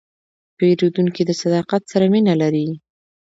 پیرودونکی له صداقت سره مینه لري.